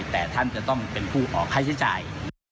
แต่ท่านจะต้องเป็นผู้ออกค่าใช้จ่าย